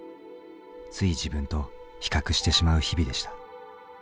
つい自分と比較してしまう日々でした。